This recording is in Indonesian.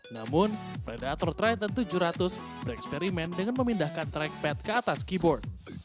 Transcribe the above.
namun predator triton tujuh ratus bereksperimen dengan memindahkan trackpad ke atas keyboard